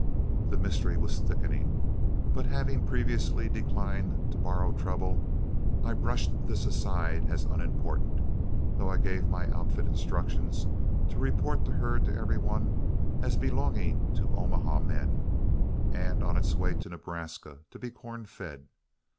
The mystery was thickening. But having previously declined to borrow trouble, I brushed this aside as unimportant, though I gave my outfit instructions to report the herd to every one as belonging to Omaha men, and on its way to Nebraska to be corn fed.